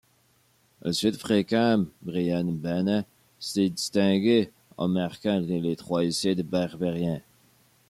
Le Sud-Africain Bryan Habana s'est distingué en marquant les trois essais des Barbarians.